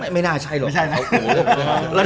ไม่น่าใช่หรอก